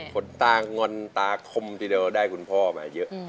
ขนตางอนตาคมทีเดียวได้คุณพ่อมาเยอะ